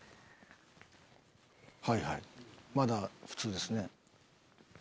はいはいまだ普通ですね。